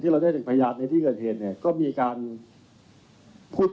ที่เราได้จากพยาบาลในที่เกิดเห็นเนี่ยก็มีการพูด